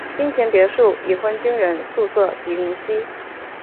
金钱别墅已婚军人宿舍及林夕。